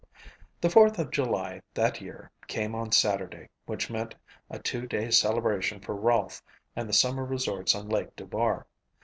The Fourth of July that year came on Saturday, which meant a two day celebration for Rolfe and the summer resorts on Lake Dubar.